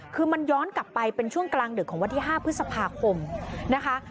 คือมันย้อนกลับไปเป็นช่วงกลางดึกของวันที่๕พฤษภาคมนะคะ